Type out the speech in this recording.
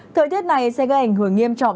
thời tiết này sẽ gây ảnh hưởng nghiêm trọng